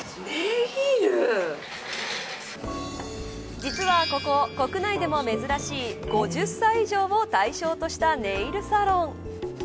実は、ここ国内でも珍しい５０歳以上を対象としたネイルサロン。